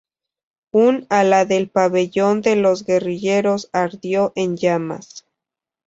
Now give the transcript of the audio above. Un ala del pabellón de los guerrilleros ardió en llamas.